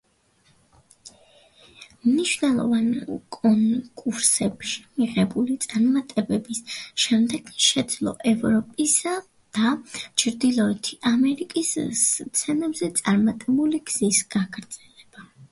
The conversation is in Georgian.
მნიშვნელოვან კონკურსებში მიღწეული წარმატებების შემდეგ შეძლო ევროპის და ჩრდილოეთი ამერიკის სცენებზე წარმატებული გზის გაგრძელება.